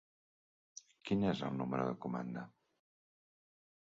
Quin és el número de comanda?